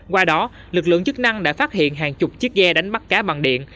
qua đó lực lượng chức năng đã phát hiện hàng chục chiếc ghe đánh bắt cá bằng điện